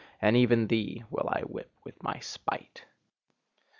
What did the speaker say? And even thee will I whip with my spite!